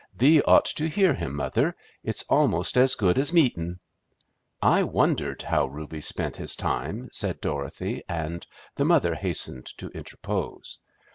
Thee ought to hear him, mother. It's almost as good as meetin'." "I wondered how Reuby spent his time," said Dorothy, and the mother hastened to interpose.